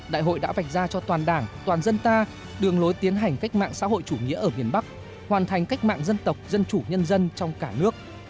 đại hội đã vạch ra cho toàn đảng toàn dân ta đường lối tiến hành cách mạng xã hội chủ nghĩa ở miền bắc hoàn thành cách mạng dân tộc dân chủ nhân dân trong cả nước